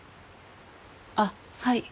あっはい。